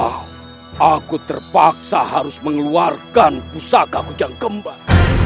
aku harus mengeluarkan pusaka hujan kembar